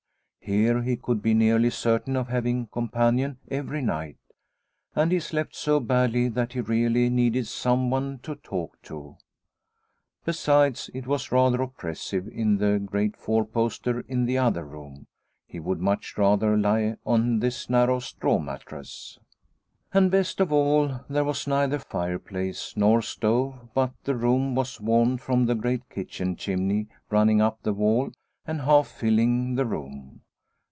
Here he could be nearly certain of having a companion every night, and he slept so badly that he really needed someone to talk to. Besides, it was rather oppressive in the great four poster in the other room. He would much rather lie on this narrow straw mattress. And best of all there was neither fireplace nor stove, but the room was warmed from the great kitchen chimney running up the wall and half filling the room.